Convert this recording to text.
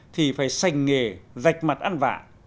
thì phải sành nghề dạch mặt ăn vạ